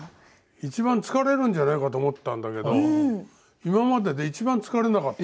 一番疲れるんじゃないかと思ったんだけど今までで一番疲れなかった。